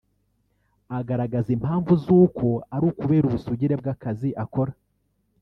agaragaza impamvu z’uko ari ukubera ubusugire bw’akazi akora